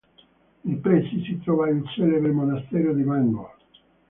Nei pressi si trova il celebre monastero di Bangor.